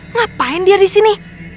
ngapain dia disini